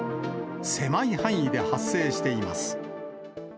狭い範囲で発生しています。